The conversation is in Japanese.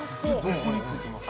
◆どこについてます？